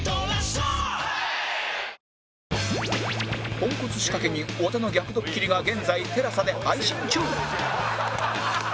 ポンコツ仕掛け人小田の逆ドッキリが現在 ＴＥＬＡＳＡ で配信中！